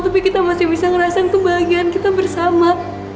tapi kita masih bisa ngerasain kebahagiaan kita bersama